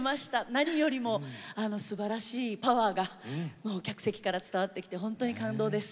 何よりすばらしいパワーが客席から伝わってきて本当に感動です。